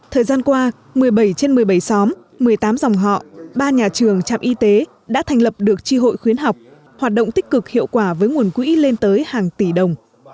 thời gian qua một mươi bảy trên một mươi bảy xóm một mươi tám dòng họ ba nhà trường trạm y tế đã thành lập được tri hội khuyến học hoạt động tích cực hiệu quả với nguồn quỹ lên tới hàng tỷ đồng